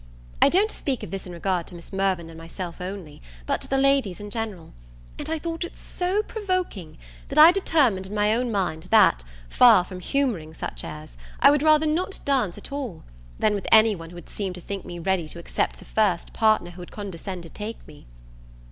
I don't speak of this in regard to Miss Mirvan and myself only, but to the ladies in general: and I thought it so provoking, that I determined in my own mind that, far from humouring such airs, I would rather not dance at all, than with any one who would seem to think me ready to accept the first partner who would condescend to take me.